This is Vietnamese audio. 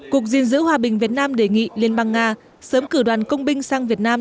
cục diện giữ hòa bình việt nam đề nghị liên bang nga sớm cử đoàn công binh sang việt nam